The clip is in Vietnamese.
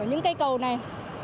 của những cây cầu này